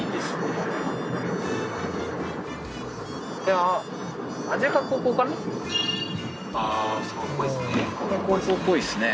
ああーそうっぽいですね